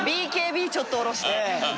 ＢＫＢちょっと降ろして。